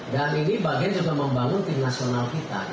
dan ini bagian juga membangun tim nasional kita